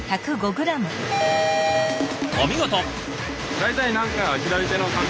お見事！